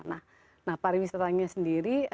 nah pariwisatanya sendiri